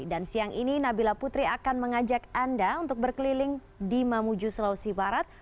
dan siang ini nabila putri akan mengajak anda untuk berkeliling di mamuju sulawesi barat